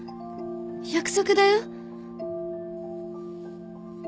約束だよ